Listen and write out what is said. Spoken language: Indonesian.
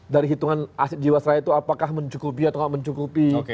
dari hitungan aset jiwasraya itu apakah mencukupi atau tidak mencukupi